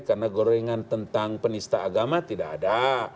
karena gorengan tentang penista agama tidak ada